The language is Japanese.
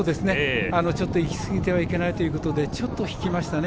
ちょっといきすぎてはいけないということでちょっと引きましたね。